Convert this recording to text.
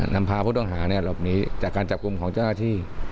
นำพาผู้ต้องหาหลบหนีจากการจับกลุ่มของเจ้าหน้าที่